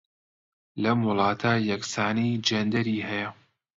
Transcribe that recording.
لەم وڵاتە یەکسانیی جێندەری هەیە.